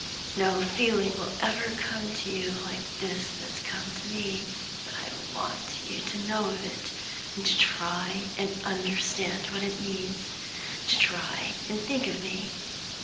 No feeling will ever come to you like this that's come to me, but I want you to know of it, to try and understand what it means to try and think of me.